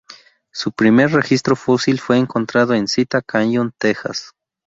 Su primer registro fósil fue encontrado en Cita Canyon, Texas.